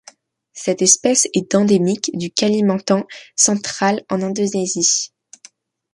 Cette espèce est endémique du Kalimantan central en Indonésie.